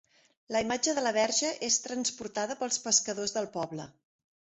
La imatge de la Verge és transportada pels pescadors del poble.